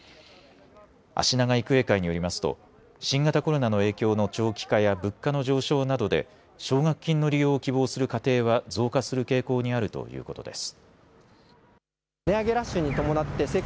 あしなが育英会によりますと新型コロナの影響の長期化や物価の上昇などで奨学金の利用を希望する家庭は増加する傾向にあるということです。